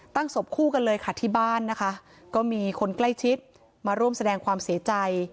ศพคู่กันเลยค่ะที่บ้านนะคะก็มีคนใกล้ชิดมาร่วมแสดงความเสียใจ